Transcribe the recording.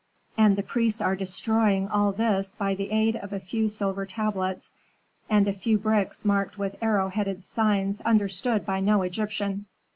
And the priests are destroying all this by the aid of a few silver tablets, and a few bricks marked with arrow headed signs understood by no Egyptian."